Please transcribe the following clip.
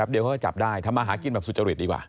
แป๊บเดียวก็จะจับได้ทำมาหากินแบบสุจริตดีกว่า